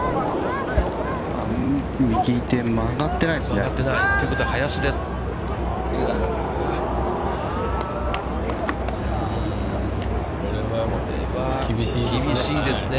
◆右手、曲がってないですね。